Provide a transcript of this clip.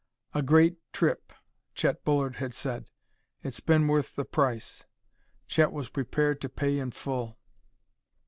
"A great trip," Chet Bullard had said; "it's been worth the price." Chet was prepared to pay in full.